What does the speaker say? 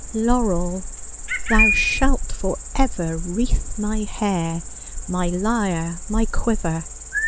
Laurel, thou shalt for ever wreathe my hair, my lyre, my quiver.